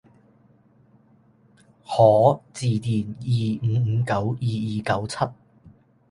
可致電二五五九二二九七